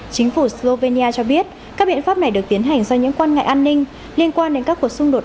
chính phủ slovenia cho biết các biện pháp này được tiến hành do những quan ngại an ninh liên quan đến các cuộc xung đột